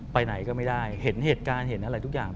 ไปไหนก็ไม่ได้เห็นเหตุการณ์เห็นอะไรทุกอย่าง